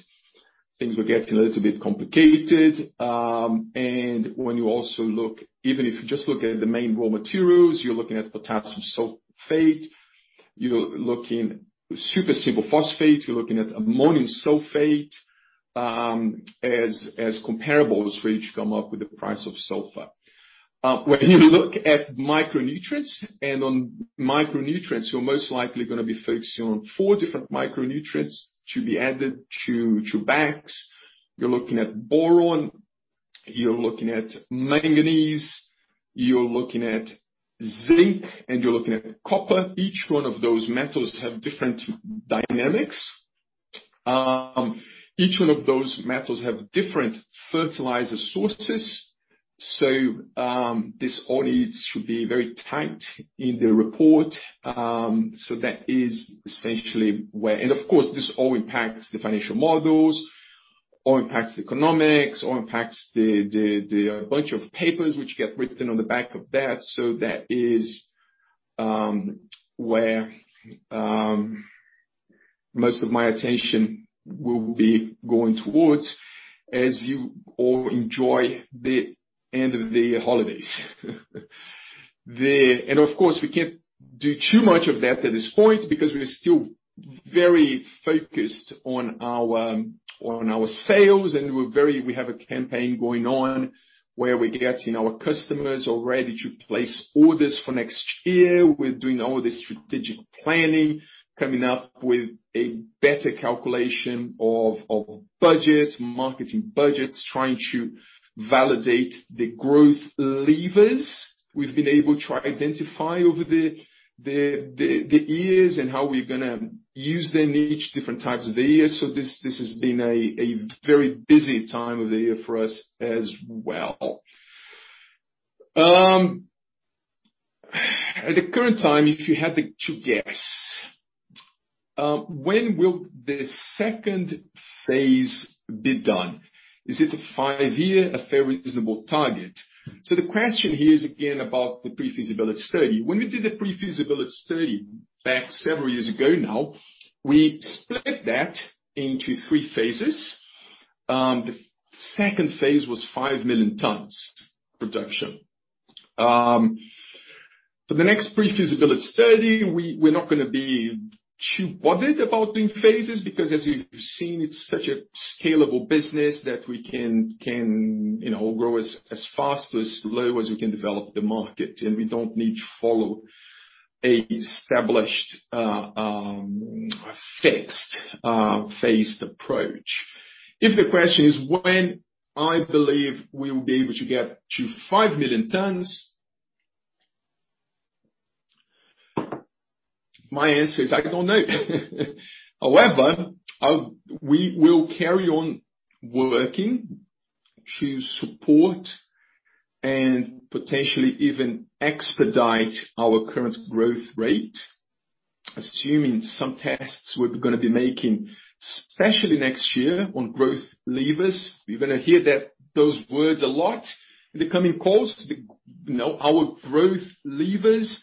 Things were getting a little bit complicated. When you also look, even if you just look at the main raw materials, you're looking at potassium sulfate, you're looking at single superphosphate, you're looking at ammonium sulfate, as comparables for which you come up with the price of sulfur. When you look at micronutrients, and on micronutrients, you're most likely gonna be focusing on four different micronutrients to be added to BAKS. You're looking at boron, you're looking at manganese, you're looking at zinc, and you're looking at copper. Each one of those metals have different dynamics. Each one of those metals have different fertilizer sources. This audit should be very tight in the report, so that is essentially where. Of course, this all impacts the financial models or impacts the economics or impacts the bunch of papers which get written on the back of that. That is where most of my attention will be going towards as you all enjoy the end of the holidays. Of course, we can't do too much of that at this point because we're still very focused on our sales, and we have a campaign going on where we're getting our customers all ready to place orders for next year. We're doing all the strategic planning, coming up with a better calculation of budget, marketing budgets, trying to validate the growth levers we've been able to identify over the years and how we're gonna use them in each different types of the years. This has been a very busy time of the year for us as well. At the current time, if you had to guess, when will the second phase be done? Is it a five-year fair reasonable target? The question here is again about the pre-feasibility study. When we did the pre-feasibility study back several years ago now, we split that into three phases. The second phase was five million tons production. For the next pre-feasibility study, we're not gonna be too bothered about doing phases because as you've seen, it's such a scalable business that we can, you know, grow as fast or as slow as we can develop the market. We don't need to follow an established, fixed, phased approach. If the question is when, I believe we will be able to get to five million tons. My answer is I don't know. However, we will carry on working to support and potentially even expedite our current growth rate, assuming some tests we're gonna be making, especially next year on growth levers. You're gonna hear those words a lot in the coming calls. You know, our growth levers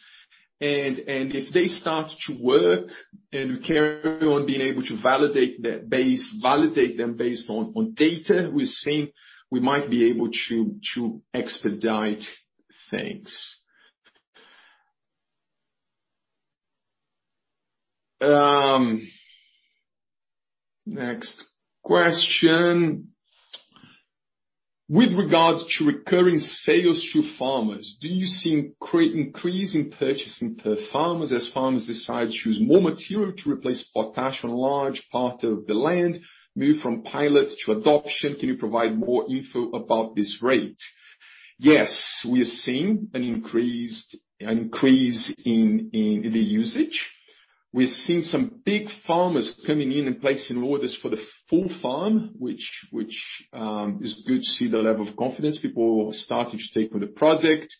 and if they start to work and we carry on being able to validate that base, validate them based on data we're seeing, we might be able to expedite things. Next question. With regards to recurring sales to farmers, do you see increase in purchasing per farmer as farmers decide to use more material to replace potash on large part of the land, move from pilot to adoption? Can you provide more info about this rate? Yes, we are seeing an increase in the usage. We're seeing some big farmers coming in and placing orders for the full farm, which is good to see the level of confidence people are starting to take with the project.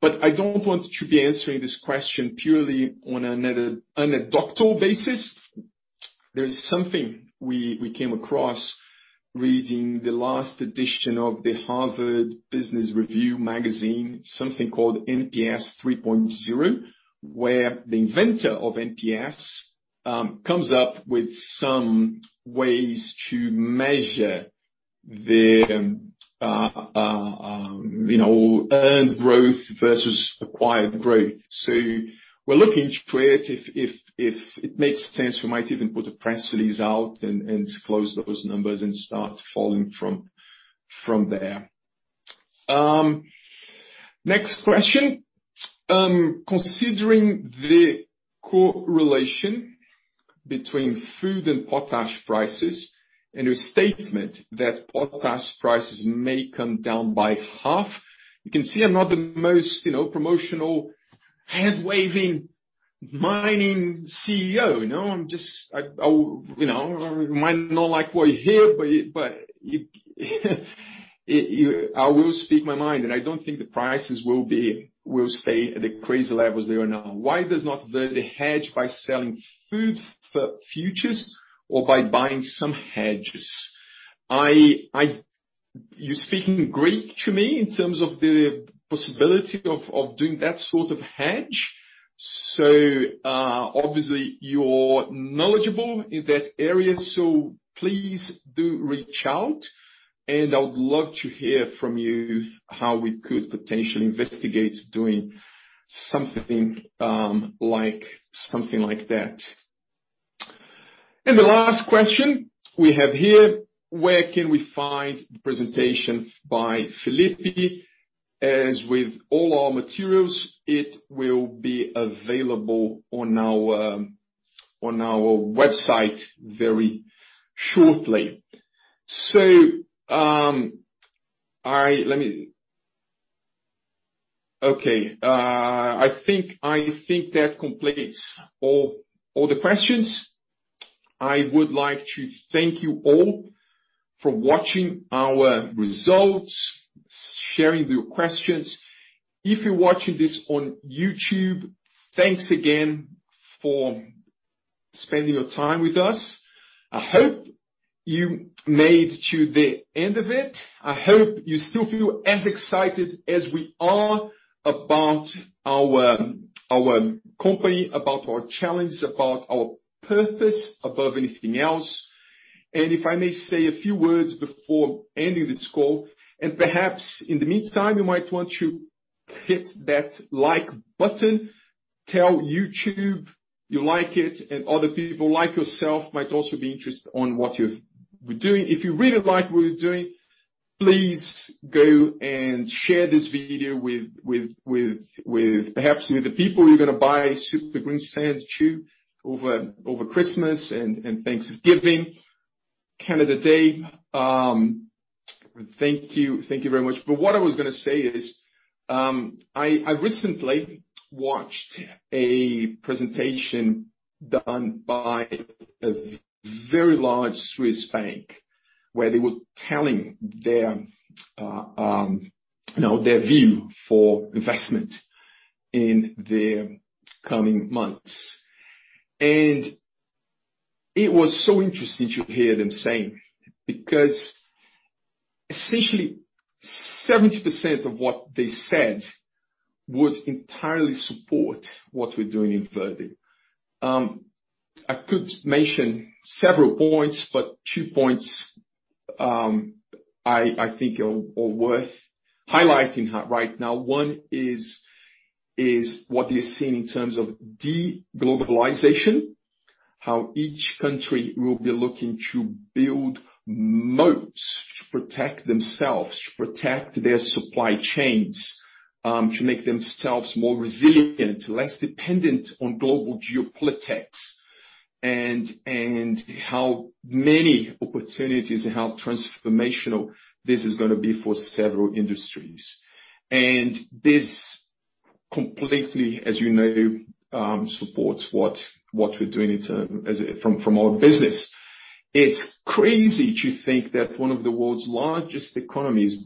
But I don't want to be answering this question purely on an anecdotal basis. There is something we came across reading the last edition of the Harvard Business Review magazine, something called NPS 3.0, where the inventor of NPS comes up with some ways to measure you know, earned growth versus acquired growth. We're looking into it. If it makes sense, we might even put a press release out and disclose those numbers and start falling from there. Next question. Considering the correlation between food and potash prices and your statement that potash prices may come down by half, you can see I'm not the most you know, promotional hand-waving mining CEO, you know. I'll, you know, you might not like what you hear, but I will speak my mind, and I don't think the prices will stay at the crazy levels they are now. Why not hedge by selling food futures or by buying some hedges? You're speaking Greek to me in terms of the possibility of doing that sort of hedge. So, obviously you're knowledgeable in that area, so please do reach out, and I would love to hear from you how we could potentially investigate doing something like that. The last question we have here, where can we find the presentation by Felipe? As with all our materials, it will be available on our website very shortly. So, okay. I think that completes all the questions. I would like to thank you all for watching our results, sharing your questions. If you're watching this on YouTube, thanks again for spending your time with us. I hope you made it to the end of it. I hope you still feel as excited as we are about our company, about our challenge, about our purpose above anything else. If I may say a few words before ending this call, and perhaps in the meantime, you might want to hit that like button, tell YouTube you like it, and other people like yourself might also be interested in what we're doing. If you really like what we're doing, please go and share this video with perhaps the people you're gonna buy Super Greensand® to over Christmas and Thanksgiving, Canada Day. Thank you. Thank you very much. What I was gonna say is, I recently watched a presentation done by a very large Swiss bank where they were telling their you know their view for investment in the coming months. It was so interesting to hear them saying, because essentially 70% of what they said would entirely support what we're doing in Verde. I could mention several points, but two points, I think are worth highlighting right now. One is what they're seeing in terms of de-globalization, how each country will be looking to build moats to protect themselves, to protect their supply chains, to make themselves more resilient, less dependent on global geopolitics, and how many opportunities and how transformational this is gonna be for several industries. This completely, as you know, supports what we're doing in terms of our business. It's crazy to think that one of the world's largest economy is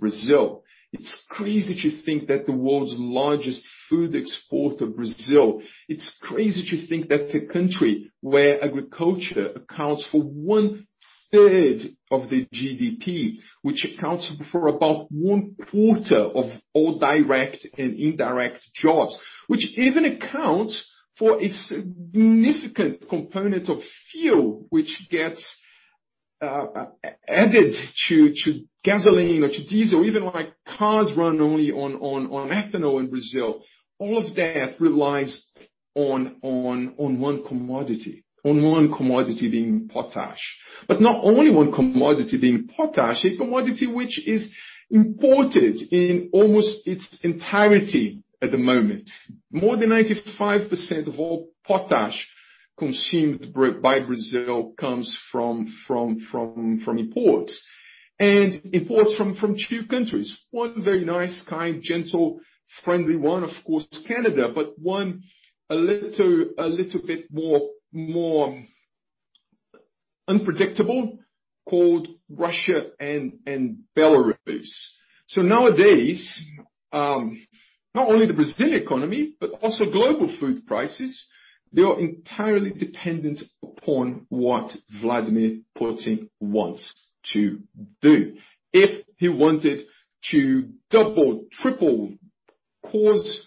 Brazil. It's crazy to think that the world's largest food exporter, Brazil. It's crazy to think that a country where agriculture accounts for 1/3 of the GDP, which accounts for about 1/4 of all direct and indirect jobs, which even accounts for a significant component of fuel, which gets added to gasoline or to diesel, even like cars run only on ethanol in Brazil. All of that relies on one commodity being potash. Not only one commodity being potash, a commodity which is imported in almost its entirety at the moment. More than 95% of all potash consumed by Brazil comes from imports. Imports from two countries. One very nice, kind, gentle, friendly one, of course, Canada, but one a little bit more unpredictable called Russia and Belarus. Nowadays, not only the Brazilian economy, but also global food prices, they are entirely dependent upon what Vladimir Putin wants to do. If he wanted to double, triple, cause,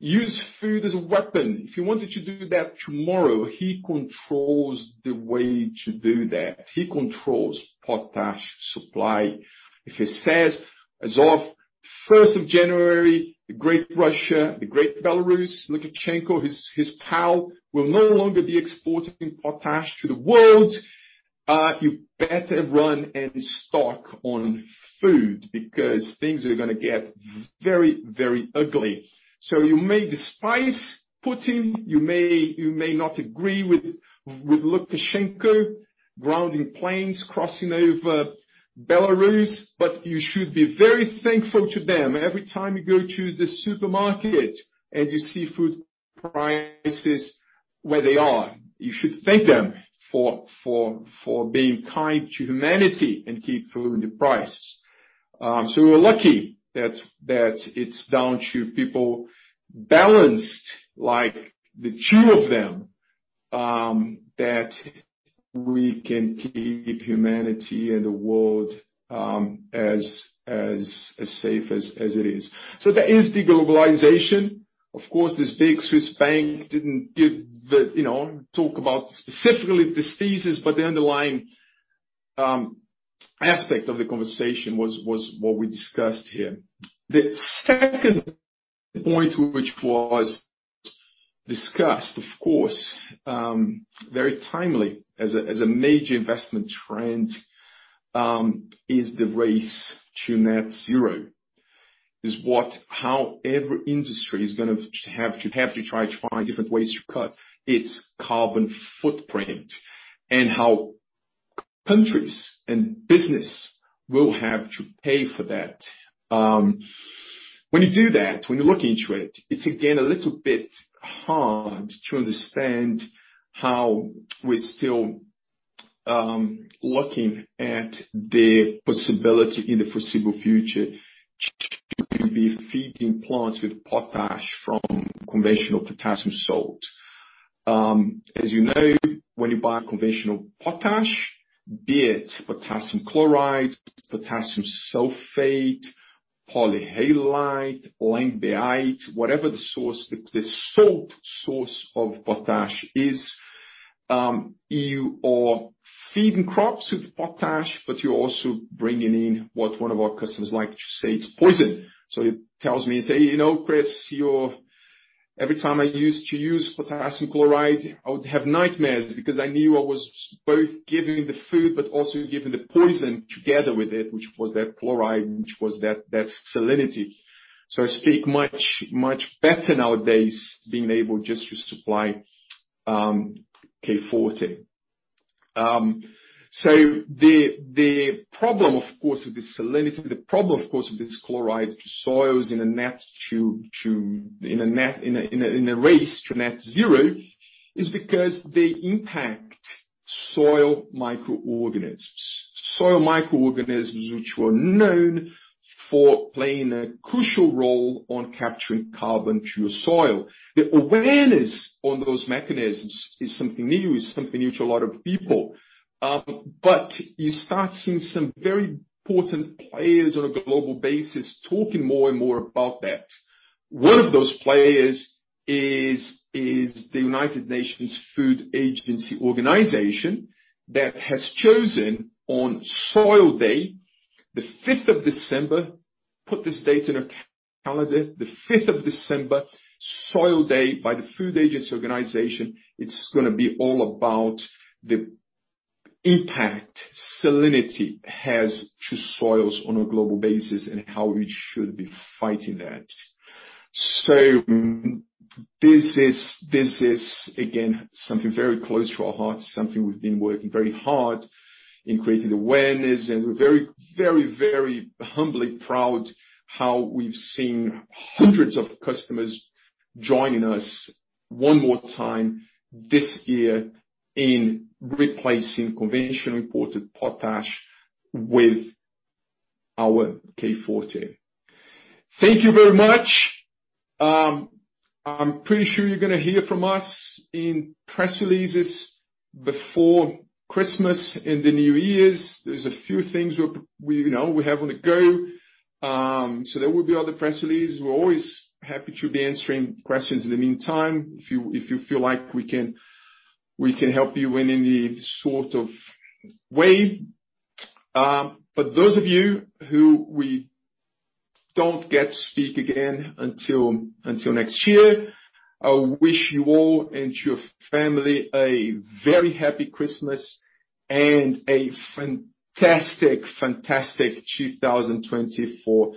use food as a weapon, if he wanted to do that tomorrow, he controls the way to do that. He controls potash supply. If he says, as of 1st of January, the great Russia, the great Belarus, Lukashenko, his pal, will no longer be exporting potash to the world, you better run and stock up on food because things are gonna get very, very ugly. You may despise Putin, you may not agree with Lukashenko grounding planes, crossing over Belarus, but you should be very thankful to them every time you go to the supermarket and you see food prices where they are. You should thank them for being kind to humanity and keep food prices. We're lucky that it's down to people balanced like the two of them, that we can keep humanity and the world, as safe as it is. That is de-globalization. Of course, this big Swiss bank didn't give the, you know, talk about specifically this thesis, but the underlying aspect of the conversation was what we discussed here. The second point which was discussed, of course, very timely as a major investment trend, is the race to net zero. How every industry is gonna have to try to find different ways to cut its carbon footprint and how countries and business will have to pay for that. When you do that, when you look into it's again a little bit hard to understand how we're still looking at the possibility in the foreseeable future to be feeding plants with potash from conventional potassium salt. As you know, when you buy conventional potash, be it potassium chloride, potassium sulfate, polyhalite, langbeinite, whatever the source, the salt source of potash is, you are feeding crops with potash, but you're also bringing in what one of our customers like to say, it's poison. So he tells me, he say, "You know, Chris, you're every time I used to use potassium chloride, I would have nightmares because I knew I was both giving the food but also giving the poison together with it, which was that chloride, which was that salinity. I sleep much better nowadays being able just to supply K Forte®. The problem, of course, with the salinity and with this chloride in soils in a race to net zero, is because they impact soil microorganisms. Soil microorganisms, which are known for playing a crucial role in capturing carbon into the soil. The awareness on those mechanisms is something new to a lot of people. You start seeing some very important players on a global basis talking more and more about that. One of those players is the Food and Agriculture Organization of the United Nations that has chosen on World Soil Day, the 5th of December, put this date in your calendar, the fifth of December, World Soil Day by the Food and Agriculture Organization of the United Nations. It's gonna be all about the impact salinity has to soils on a global basis and how we should be fighting that. This is again something very close to our hearts, something we've been working very hard in creating awareness and we're very humbly proud how we've seen hundreds of customers joining us one more time this year in replacing conventional imported potash with K Forte®®. thank you very much. I'm pretty sure you're gonna hear from us in press releases before Christmas and the New Years. There's a few things we, you know, we have on the go. There will be other press releases. We're always happy to be answering questions in the meantime, if you feel like we can help you in any sort of way. Those of you who we don't get to speak again until next year, I wish you all and to your family a very happy Christmas and a fantastic 2024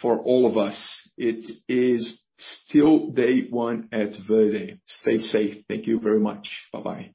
for all of us. It is still day one at Verde. Stay safe. Thank you very much. Bye-bye.